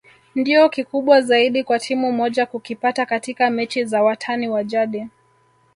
ndio kikubwa zaidi kwa timu moja kukipata katika mechi za watani wa jadi